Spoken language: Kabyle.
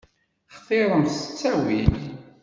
Xtiṛemt s ttawil.